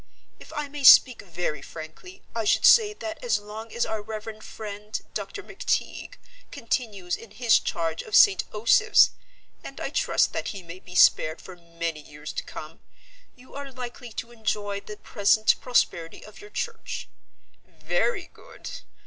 If I may speak very frankly I should say that as long as our reverend friend, Dr. McTeague, continues in his charge of St. Osoph's and I trust that he may be spared for many years to come you are likely to enjoy the present prosperity of your church. Very good.